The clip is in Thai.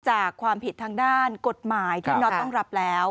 จากความผิดทางด้านกฎหมายที่น็อตต้องรับแล้ว